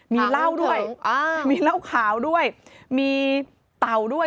มีเหล้าด้วยมีเหล้าขาวด้วยมีเต่าด้วย